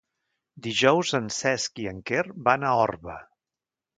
Dijous en Cesc i en Quer van a Orba.